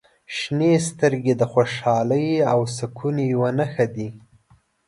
• شنې سترګې د خوشحالۍ او سکون یوه نښه دي.